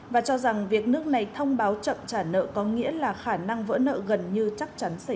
và cho rằng việc nước này thông báo chậm trả nợ có nghĩa là khả năng vỡ nợ gần như chắc chắn xảy ra